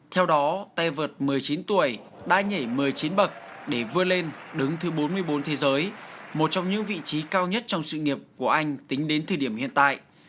theo đó tay vượt một mươi chín tuổi đã nhảy một mươi chín bậc để vươn lên đứng thứ bốn mươi bốn thế giới một trong những vị trí cao nhất trong sự nghiệp của anh tính đến thời điểm hiện tại